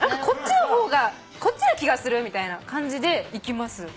こっちの方がこっちな気がするみたいな感じで行きます